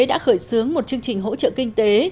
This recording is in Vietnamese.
đã khởi xướng một chương trình hỗ trợ kinh tế